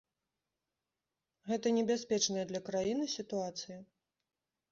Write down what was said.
Гэта небяспечная для краіны сітуацыя.